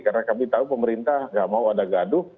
karena kami tahu pemerintah tidak mau ada gaduh